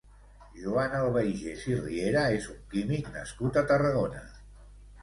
Joan Albaigés i Riera és un químic nascut a Tarragona.